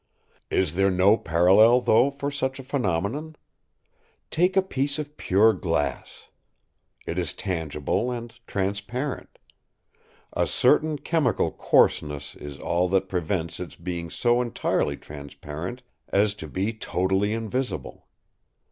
Is there no parallel, though, for such a phenomenon? Take a piece of pure glass. It is tangible and transparent. A certain chemical coarseness is all that prevents its being so entirely transparent as to be totally invisible.